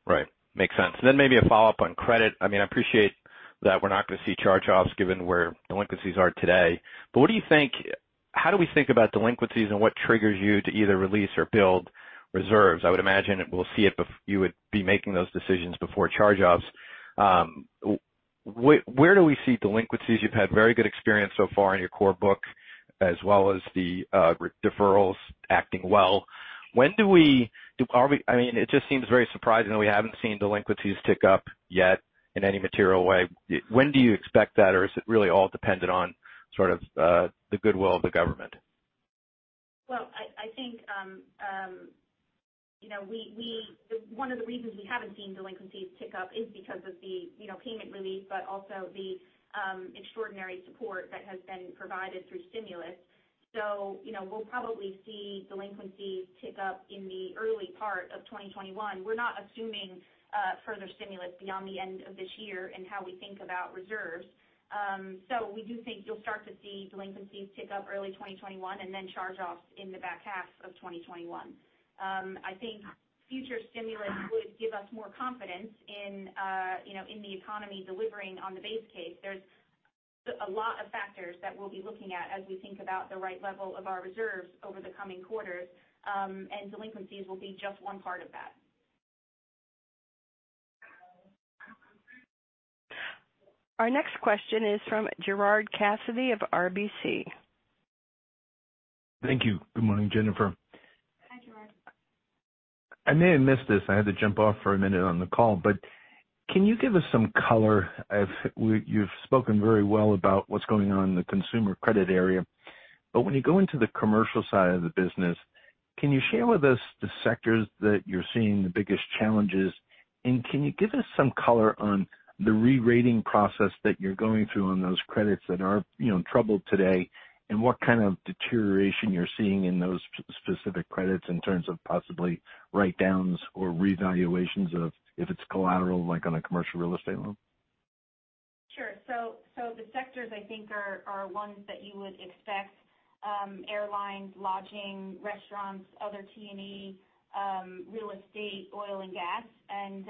Right. Makes sense. Then maybe a follow-up on credit. I appreciate that we're not going to see charge-offs given where delinquencies are today. How do we think about delinquencies and what triggers you to either release or build reserves? I would imagine you would be making those decisions before charge-offs. Where do we see delinquencies? You've had very good experience so far in your core book as well as the deferrals acting well. It just seems very surprising that we haven't seen delinquencies tick up yet in any material way. When do you expect that, or is it really all dependent on sort of the goodwill of the government? Well, I think one of the reasons we haven't seen delinquencies tick up is because of the payment relief, but also the extraordinary support that has been provided through stimulus. We'll probably see delinquencies tick up in the early part of 2021. We're not assuming further stimulus beyond the end of this year in how we think about reserves. We do think you'll start to see delinquencies tick up early 2021 and then charge-offs in the back half of 2021. I think future stimulus would give us more confidence in the economy delivering on the base case. There's a lot of factors that we'll be looking at as we think about the right level of our reserves over the coming quarters, and delinquencies will be just one part of that. Our next question is from Gerard Cassidy of RBC. Thank you. Good morning, Jennifer. I may have missed this. I had to jump off for a minute on the call, but can you give us some color? You've spoken very well about what's going on in the consumer credit area, but when you go into the commercial side of the business, can you share with us the sectors that you're seeing the biggest challenges? Can you give us some color on the re-rating process that you're going through on those credits that are in trouble today, and what kind of deterioration you're seeing in those specific credits in terms of possibly write-downs or revaluations if it's collateral, like on a commercial real estate loan? Sure. The sectors I think are ones that you would expect. Airlines, lodging, restaurants, other T&E, real estate, oil and gas, and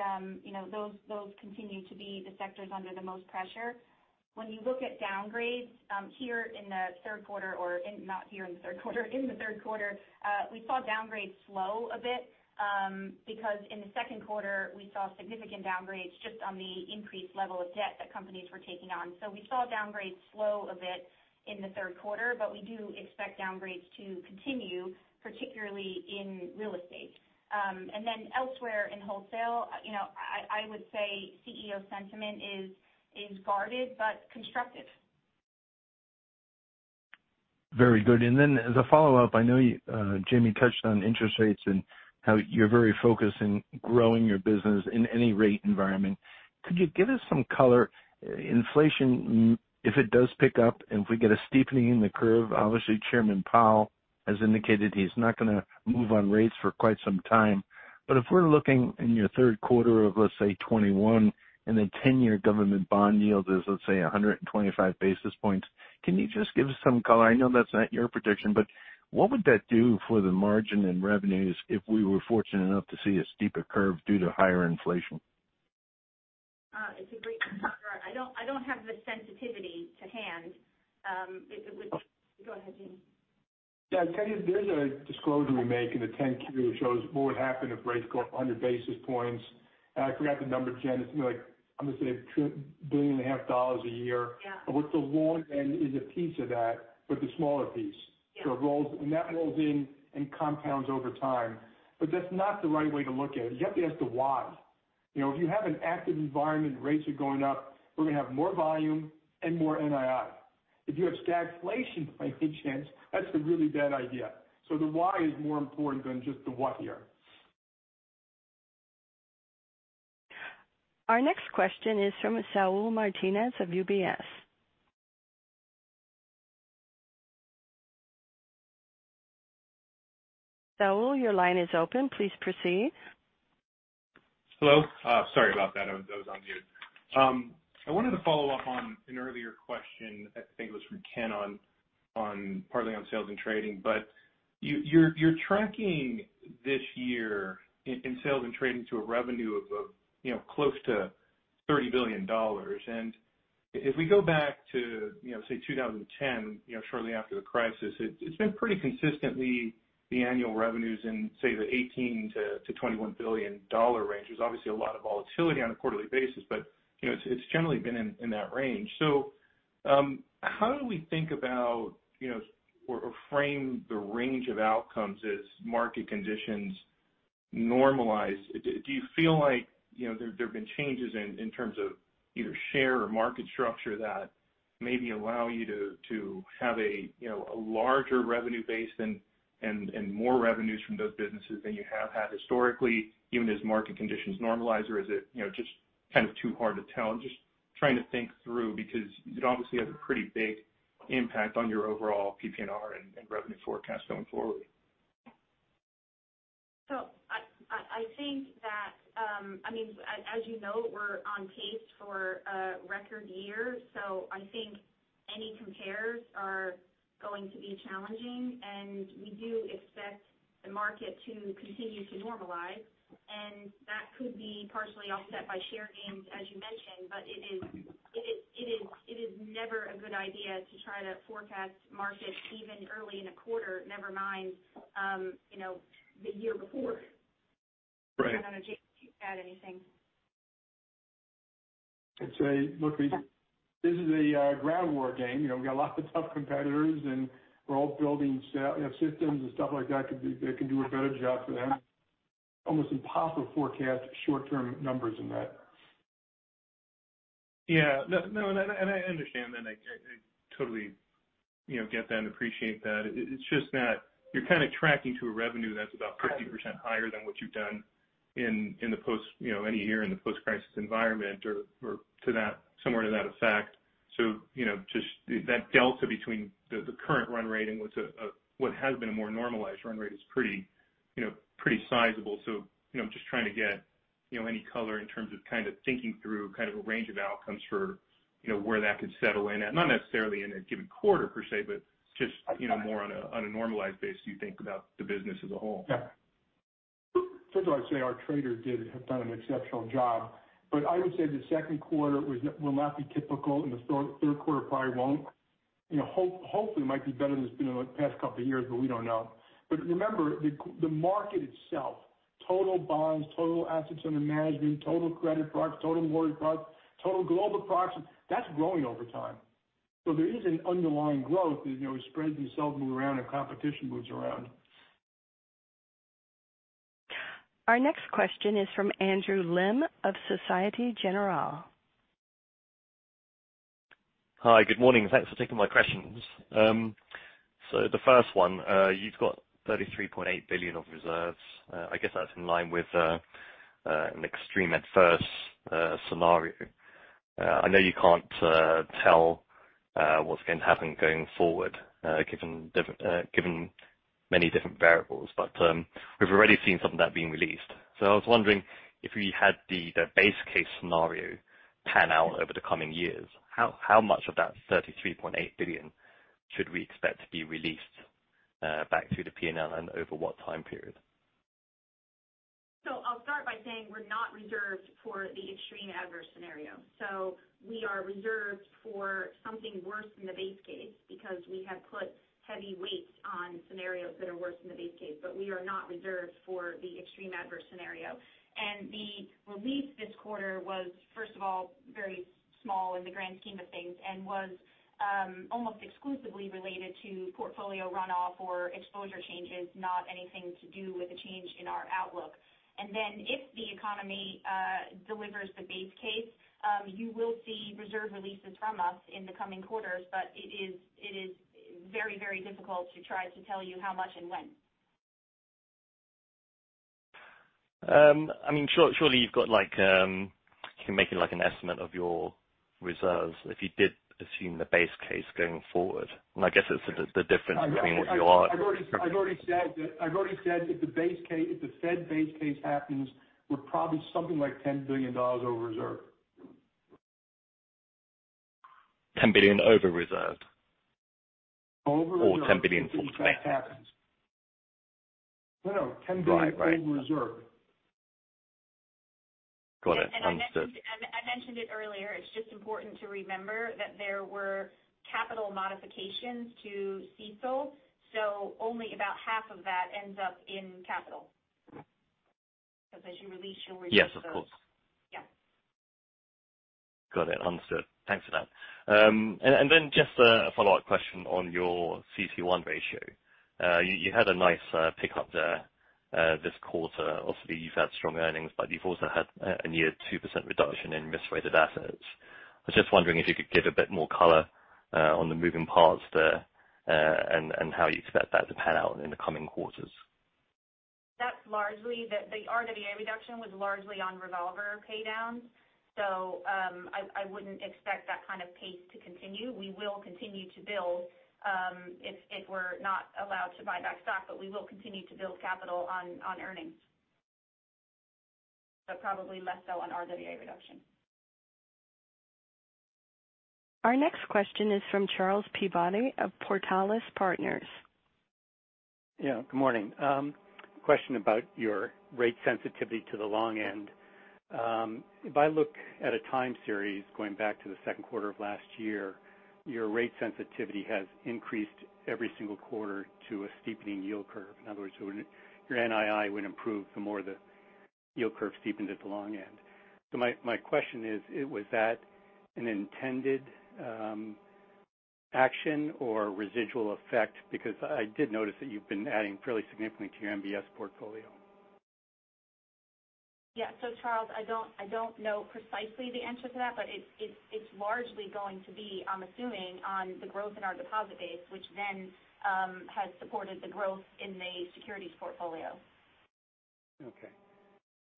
those continue to be the sectors under the most pressure. When you look at downgrades in the third quarter, we saw downgrades slow a bit because in the second quarter we saw significant downgrades just on the increased level of debt that companies were taking on. We saw downgrades slow a bit in the third quarter, but we do expect downgrades to continue, particularly in real estate. Elsewhere in wholesale, I would say CEO sentiment is guarded but constructive. Very good. Then as a follow-up, I know Jamie touched on interest rates and how you're very focused in growing your business in any rate environment. Could you give us some color? Inflation, if it does pick up and if we get a steepening in the curve, obviously Chairman Powell has indicated he's not going to move on rates for quite some time. If we're looking in your third quarter of, let's say, 2021, and the 10-year government bond yield is, let's say, 125 basis points, can you just give us some color? I know that's not your prediction, but what would that do for the margin in revenues if we were fortunate enough to see a steeper curve due to higher inflation? It's a great question. I don't have the sensitivity to hand. Go ahead, Jamie. Yeah. There's a disclosure we make in the 10-Q that shows what would happen if rates go up 100 basis points. I forgot the number, Jen. It's something like, I'm going to say, $2.5 billion a year. Yeah. What's the long then is a piece of that, but the smaller piece. Yeah. That rolls in and compounds over time. That's not the right way to look at it. You have to ask the why. If you have an active environment and rates are going up, we're going to have more volume and more NII. If you have stagflation, I think, Jen, that's a really bad idea. The why is more important than just the what here. Our next question is from Saul Martinez of UBS. Saul, your line is open. Please proceed. Hello. Sorry about that. I was on mute. I wanted to follow up on an earlier question. I think it was from Ken partly on Sales and Trading. You're tracking this year in Sales and Trading to a revenue of close to $30 billion. If we go back to say 2010, shortly after the crisis, it's been pretty consistently the annual revenues in, say, the $18 billion-$21 billion range. There's obviously a lot of volatility on a quarterly basis, but it's generally been in that range. How do we think about or frame the range of outcomes as market conditions normalize? Do you feel like there have been changes in terms of either share or market structure that maybe allow you to have a larger revenue base and more revenues from those businesses than you have had historically, even as market conditions normalize? Is it just kind of too hard to tell? I'm just trying to think through, because it obviously has a pretty big impact on your overall PPNR and revenue forecast going forward. I think that as you know, we're on pace for a record year. I think any compares are going to be challenging. We do expect the market to continue to normalize. That could be partially offset by share gains, as you mentioned. It is never a good idea to try to forecast markets even early in a quarter, never mind the year before. Right. I don't know, Jamie, if you'd add anything? I'd say, look, this is a ground war game. We've got lots of tough competitors, and we're all building systems and stuff like that that can do a better job for them. Almost impossible to forecast short-term numbers in that. No, I understand that. I totally get that and appreciate that. It's just that you're kind of tracking to a revenue that's about 50% higher than what you've done any year in the post-crisis environment or somewhere to that effect. Just that delta between the current run rate and what has been a more normalized run rate is pretty sizable. Just trying to get any color in terms of kind of thinking through kind of a range of outcomes for where that could settle in at, not necessarily in a given quarter per se, but just more on a normalized basis you think about the business as a whole. Yeah. First I'd say our traders have done an exceptional job. I would say the second quarter will not be typical, and the third quarter probably won't. Hopefully it might be better than it's been in the past couple of years, but we don't know. Remember, the market itself, total bonds, total assets under management, total credit products, total mortgage products, total global products, that's growing over time. There is an underlying growth as spreads themselves move around and competition moves around. Our next question is from Andrew Lim of Societe Generale. Hi. Good morning. Thanks for taking my questions. The first one, you've got $33.8 billion of reserves. I guess that's in line with an extreme adverse scenario. I know you can't tell what's going to happen going forward given many different variables, but we've already seen some of that being released. I was wondering if we had the base case scenario pan out over the coming years, how much of that $33.8 billion should we expect to be released back to the P&L and over what time period? I'll start by saying we're not reserved for the extreme adverse scenario. We are reserved for something worse than the base case because we have put heavy weights on scenarios that are worse than the base case. We are not reserved for the extreme adverse scenario. The release this quarter was first of all, very small in the grand scheme of things and was almost exclusively related to portfolio runoff or exposure changes, not anything to do with a change in our outlook. If the economy delivers the base case, you will see reserve releases from us in the coming quarters. It is very difficult to try to tell you how much and when. Surely you can make an estimate of your reserves if you did assume the base case going forward. I've already said if the Fed base case happens, we're probably something like $10 billion over-reserved. $10 billion over-reserved? Over-reserved. $10 billion from bank? If that happens. No. Right Over-reserved. Got it. Understood. I mentioned it earlier, it's just important to remember that there were capital modifications to CECL, only about half of that ends up in capital. Because as you release, you'll reduce those. Yes, of course. Yeah. Got it. Understood. Thanks for that. Just a follow-up question on your CET1 ratio. You had a nice pick up there this quarter. Obviously, you've had strong earnings, but you've also had a near 2% reduction in risk-weighted assets. I was just wondering if you could give a bit more color on the moving parts there, and how you expect that to pan out in the coming quarters. The RWA reduction was largely on revolver pay downs. I wouldn't expect that kind of pace to continue. We will continue to build if we're not allowed to buy back stock, but we will continue to build capital on earnings. Probably less so on RWA reduction. Our next question is from Charles Peabody of Portales Partners. Yeah. Good morning. Question about your rate sensitivity to the long end. If I look at a time series going back to the second quarter of last year, your rate sensitivity has increased every single quarter to a steepening yield curve. In other words, your NII would improve the more the yield curve steepened at the long end. My question is, was that an intended action or residual effect? Because I did notice that you've been adding fairly significantly to your MBS portfolio. Yeah. Charles, I don't know precisely the answer to that, but it's largely going to be, I'm assuming, on the growth in our deposit base, which then has supported the growth in the securities portfolio. Okay.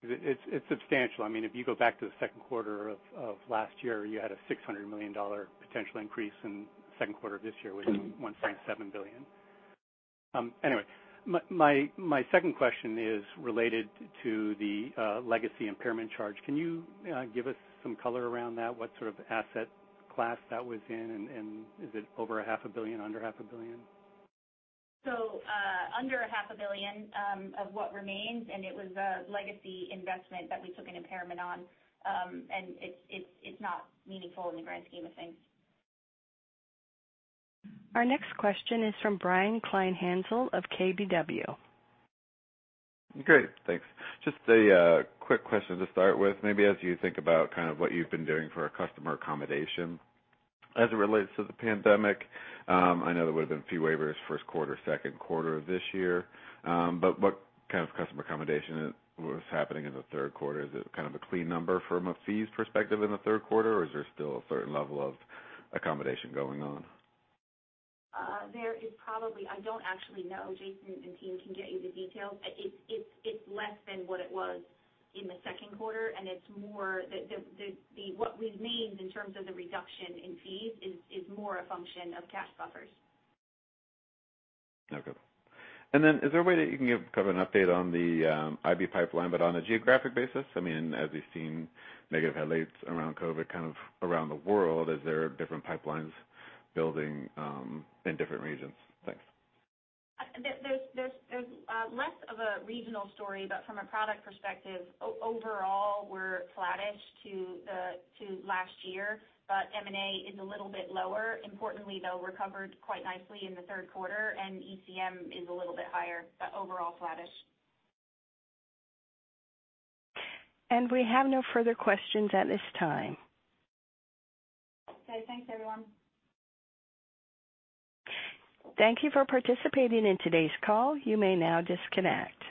It's substantial. If you go back to the second quarter of last year, you had a $600 million potential increase in second quarter of this year, which is $1.7 billion. My second question is related to the legacy impairment charge. Can you give us some color around that? What sort of asset class that was in, and is it over a half a billion, under half a billion? Under a half a billion of what remains, and it was a legacy investment that we took an impairment on. It's not meaningful in the grand scheme of things. Our next question is from Brian Kleinhanzl of KBW. Great. Thanks. Just a quick question to start with. Maybe as you think about what you've been doing for a customer accommodation as it relates to the pandemic. I know there would've been fee waivers first quarter, second quarter of this year. What kind of customer accommodation was happening in the third quarter? Is it kind of a clean number from a fees perspective in the third quarter, or is there still a certain level of accommodation going on? I don't actually know. Jason and team can get you the details. It's less than what it was in the second quarter, and what remains in terms of the reduction in fees is more a function of cash buffers. Okay. Is there a way that you can give kind of an update on the IB pipeline, but on a geographic basis? As we've seen negative headlines around COVID around the world, is there different pipelines building in different regions? Thanks. There's less of a regional story. From a product perspective, overall, we're flattish to last year, but M&A is a little bit lower. Importantly, though, M&A recovered quite nicely in the third quarter. ECM is a little bit higher, but overall flattish. We have no further questions at this time. Okay. Thanks, everyone. Thank you for participating in today's call. You may now disconnect.